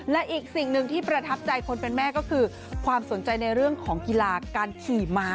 และอีกสิ่งหนึ่งที่ประทับใจคนเป็นแม่ก็คือความสนใจในเรื่องของกีฬาการขี่ม้า